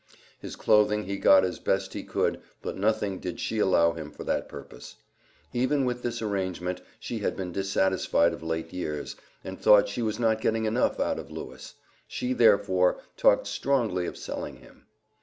His clothing he got as best he could, but nothing did she allow him for that purpose. Even with this arrangement she had been dissatisfied of late years, and thought she was not getting enough out of Lewis; she, therefore, talked strongly of selling him.